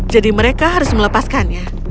jadi mereka harus melepaskannya